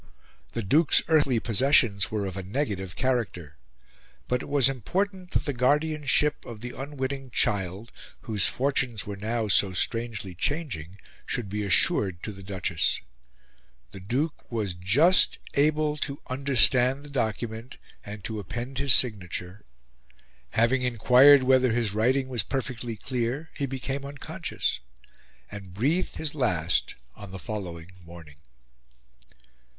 The Duke's earthly possessions were of a negative character; but it was important that the guardianship of the unwitting child, whose fortunes were now so strangely changing, should be assured to the Duchess. The Duke was just able to understand the document, and to append his signature. Having inquired whether his writing was perfectly clear, he became unconscious, and breathed his last on the following morning!